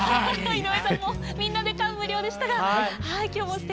井上さんもみんなで感無量でしたがはい